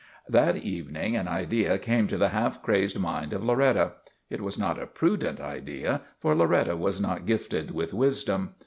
That evening an idea came to the half crazed mind of Loretta. It was not a prudent idea, for Loretta was not gifted with wisdom.